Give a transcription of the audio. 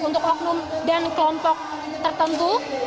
untuk oknum dan kelompok tertentu